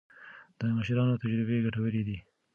د مشرانو تجربې ګټورې دي.